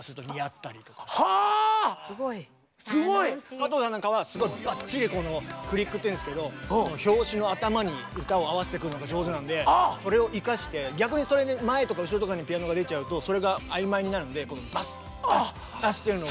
加藤さんなんかはすごいばっちりクリックっていうんですけど拍子の頭に歌を合わせてくるのが上手なんでそれを生かして逆にそれに前とか後ろとかにピアノが出ちゃうとそれが曖昧になるんでバスッバスッバスッというのを。